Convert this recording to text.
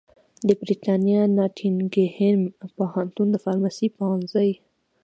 د برېتانیا ناټینګهم پوهنتون د فارمیسي پوهنځي